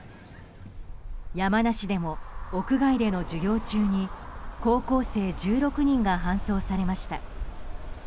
山梨でも屋外での授業中に高校生１６人が搬送されました。